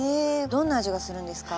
どんな味がするんですか？